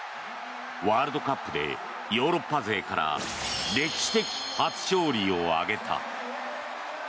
ワールドカップでヨーロッパ勢から歴史的初勝利を挙げた。